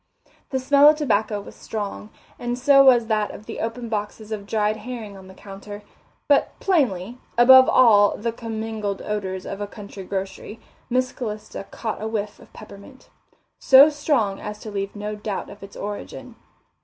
The smell of tobacco was strong, and so was that of the open boxes of dried herring on the counter, but plainly, above all the commingled odours of a country grocery, Miss Calista caught a whiff of peppermint, so strong as to leave no doubt of its origin.